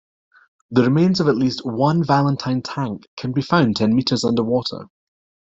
The remains of at least one Valentine tank can be found ten metres underwater.